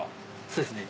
そうですね。